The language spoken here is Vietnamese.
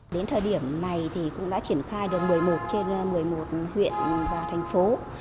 đến thời điểm này thì cũng đã triển khai được một mươi một trên một mươi một huyện và thành phố